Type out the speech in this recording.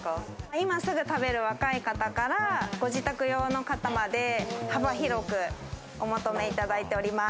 今すぐ食べる若い方から自宅用の方まで幅広くお買い求めいただいてます。